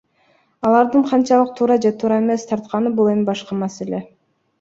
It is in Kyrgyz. Алардын канчалык туура же туура эмес тартканы бул эми башка маселе.